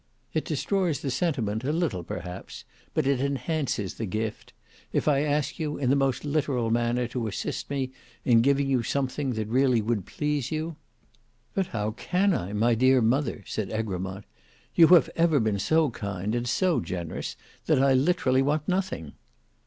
It destroys the sentiment a little perhaps but it enhances the gift, if I ask you in the most literal manner to assist me in giving you something that really would please you?" "But how can I, my dear mother?" said Egremont. "You have ever been so kind and so generous that I literally want nothing."